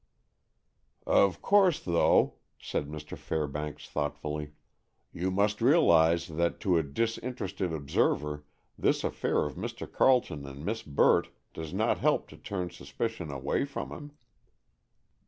"Of course, though," said Mr. Fairbanks thoughtfully, "you must realize that to a disinterested observer this affair of Mr. Carleton and Miss Burt does not help to turn suspicion away from him."